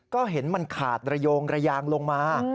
ก็เห็นมันขาดระโยงระยางลงมา